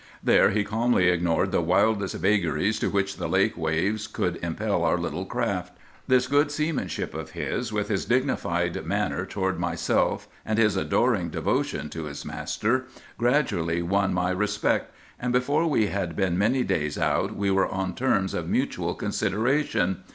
There he calmly ignored the wildest vagaries to which the lake waves could impel our little craft. This good seamanship of his, with his dignified manner toward myself and his adoring devotion to his master, gradually won my respect; and before we had been many days out we were on terms of mutual consideration.